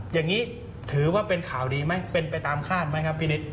อย่างนี้ถือว่าเป็นข่าวดีไหมเป็นไปตามคาดไหมครับพี่นิด